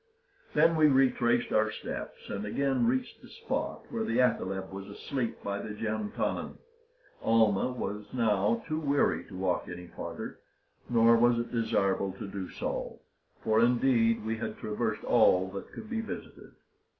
Then we retraced our steps, and again reached the spot where the athaleb was asleep by the jantannin. Almah was now too weary to walk any farther, nor was it desirable to do so; for, indeed, we had traversed all that could be visited.